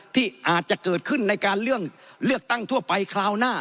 ที่อาจจะเกิดขึ้นในการเรื่องเลือกตั้งทั่วไปคราวหน้า